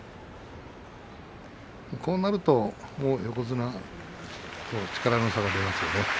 こうなると力の差が出ますよね。